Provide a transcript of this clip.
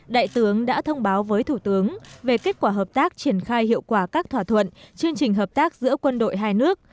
đại tướng đã thông báo với thủ tướng về kết quả hợp tác triển khai hiệu quả các thỏa thuận chương trình hợp tác giữa quân đội hai nước